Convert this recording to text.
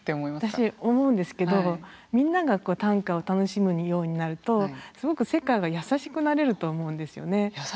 私思うんですけどみんなが短歌を楽しむようになるとすごく世界が優しくなれると思うんですよね。